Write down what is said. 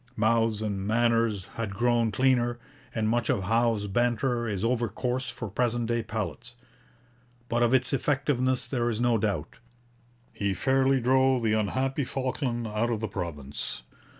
Mouths and manners had grown cleaner, and much of Howe's banter is over coarse for present day palates. But of its effectiveness there is no doubt. He fairly drove the unhappy Falkland out of the province.